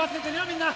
みんな。